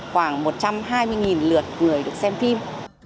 khoảng một trăm hai mươi lượt người được xem phim